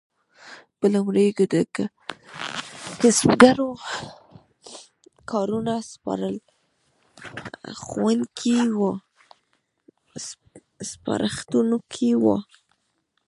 په لومړیو کې د کسبګرو کارونه سپارښتونکي وو.